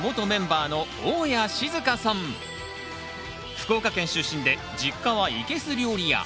福岡県出身で実家は生けす料理屋。